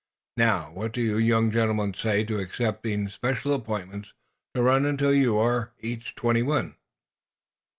Now, what do you young gentlemen say to accepting special appointments to run until you are each twenty one?"